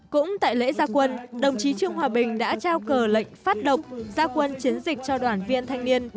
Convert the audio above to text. cũng tại lễ gia quân đồng chí trương hòa bình đã trao cờ lệnh phát độc gia quân chiến dịch cho đoàn viên thanh niên